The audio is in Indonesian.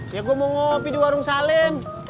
ya gue mau ngopi di warung salem